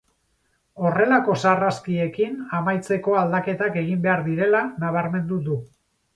Horrelako sarraskiekin amaitzeko aldaketak egin behar direla nabarmendu du.